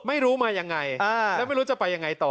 ไม่รู้มายังไงแล้วไม่รู้จะไปยังไงต่อ